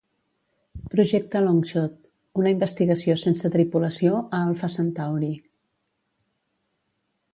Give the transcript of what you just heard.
Projecte Longshot: una investigació sense tripulació a Alpha Centauri.